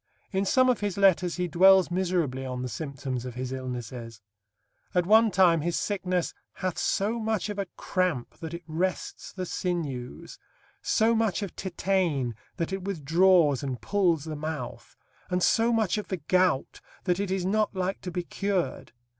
In some of his letters he dwells miserably on the symptoms of his illnesses. At one time, his sickness "hath so much of a cramp that it wrests the sinews, so much of tetane that it withdraws and pulls the mouth, and so much of the gout ... that it is not like to be cured....